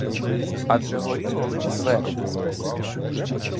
Адже горіло лиш зверху.